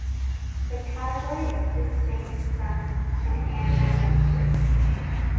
The category is distinct from an animal rights group.